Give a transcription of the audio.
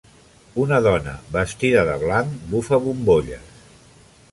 Una dona vestida de blanc bufa bombolles